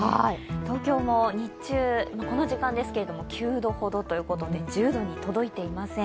東京も日中、この時間ですけれども９度ほどということで１０度に届いていません。